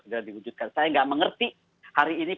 sudah diwujudkan saya nggak mengerti hari ini